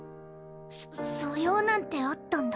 そ素養なんてあったんだ。